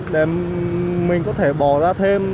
để mình có thể bỏ ra thêm